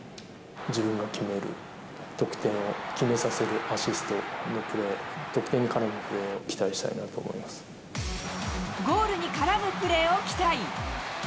自分が決める、得点を決めさせるアシストのプレー、得点に絡むプレーを期待したゴールに絡むプレーを期待。